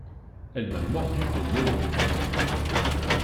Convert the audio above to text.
Elle m'a mordu au mollet.